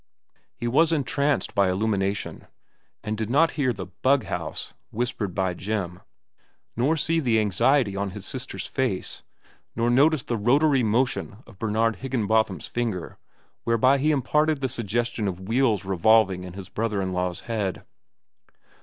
He was entranced by illumination, and did not hear the "Bughouse," whispered by Jim, nor see the anxiety on his sister's face, nor notice the rotary motion of Bernard Higginbotham's finger, whereby he imparted the suggestion of wheels revolving in his brother in law's head.